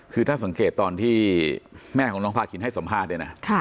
คือถ้าสังเกตตอนที่แม่ของน้องพาคินให้สัมภาษณ์เนี่ยนะ